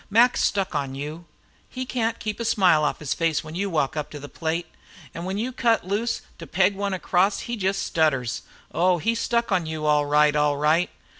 Mac's stuck on you. He can't keep a smile off his face when you walk up to the plate, an' when you cut loose to peg one acrost he jest stutters. Oh! he's stuck on you, all right, all right!